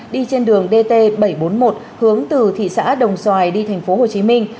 đi trên đường dt bảy trăm bốn mươi một hướng từ thị xã đồng xoài đi thành phố hồ chí minh